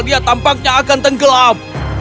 dia tampaknya akan tenggelam